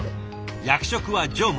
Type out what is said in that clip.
役職は常務。